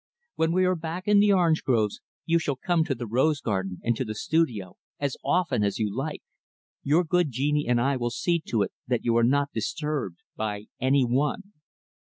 When we are back in the orange groves, you shall come to the rose garden and to the studio, as often as you like; your good genie and I will see to it that you are not disturbed by any one."